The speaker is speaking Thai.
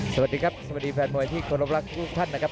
สวัสดีครับสวัสดีแฟนมวยที่เคารพรักทุกท่านนะครับ